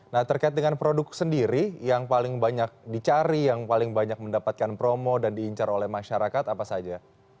nah terkait dengan produk sendiri yang paling banyak dicari yang paling banyak mendapatkan promo dan diincar oleh masyarakat apa saja